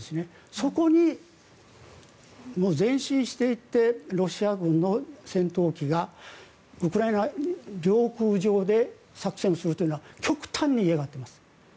そこに前進していってロシア軍の戦闘機がウクライナ領空上で作戦をするというのは極端に嫌がっています。